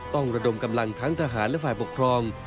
ระดมกำลังทั้งทหารและฝ่ายปกครอง